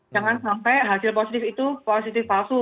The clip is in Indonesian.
jangan sampai hasil positif itu positif palsu